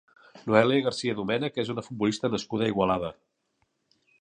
Noelia García Domenech és una futbolista nascuda a Igualada.